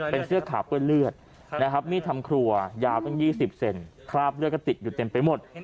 เป็นเสื้อขาวเปื้อนเลือดนะครับมีดทำครัวยาวตั้ง๒๐เซนคราบเลือดก็ติดอยู่เต็มไปหมด